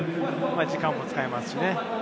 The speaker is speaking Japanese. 時間も使いますしね。